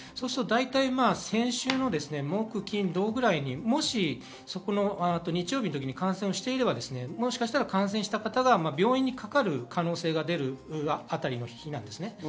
先週の木金土ぐらいにもし日曜日の時に感染していれば感染した方が病院にかかる可能性が出るあたりの日です。